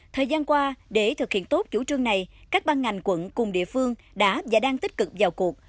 thời gian qua để thực hiện tốt chủ trương này các ban ngành quận cùng địa phương đã và đang tích cực vào cuộc